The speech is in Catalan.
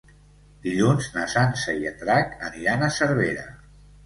Dilluns na Sança i en Drac aniran a Cervera.